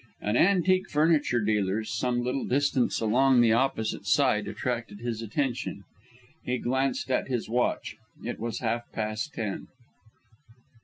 An antique furniture dealer's, some little distance along on the opposite side, attracted his attention. He glanced at his watch. It was half past ten.